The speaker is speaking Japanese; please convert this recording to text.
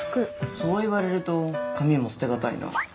そう言われると紙も捨て難いな。